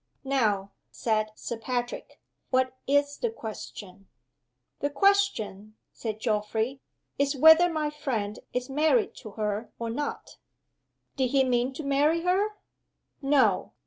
"Now," said Sir Patrick, "what is the question?" "The question," said Geoffrey, "is whether my friend is married to her or not?" "Did he mean to marry her?" "No."